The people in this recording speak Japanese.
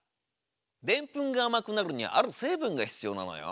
デンプンが甘くなるにはある成分が必要なのよ。